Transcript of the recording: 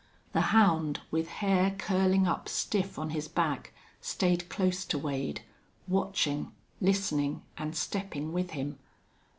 The hound, with hair curling up stiff on his back, stayed close to Wade, watching, listening, and stepping with him.